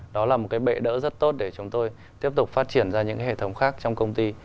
đó là một cái bệ đỡ rất tốt để chúng tôi tiếp tục phát triển ra những hệ thống khác trong công ty